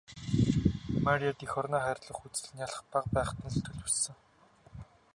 Марияд эх орноо хайрлах үзэл нялх бага байхад нь л төлөвшсөн.